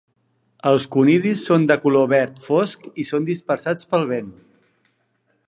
Els conidis són de color verd fosc i són dispersats pel vent.